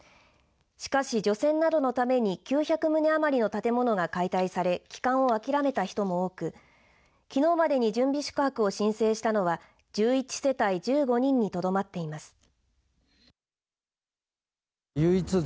しかし、除染などのために９００棟余りの建物が解体され帰還を諦めた人も多くきのうまでに準備宿泊を申請したのは１１世帯１５人にとどまっています。